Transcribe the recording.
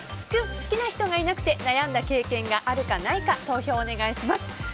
好きな人がいなくて悩んだ経験があるかないか投票をお願いします。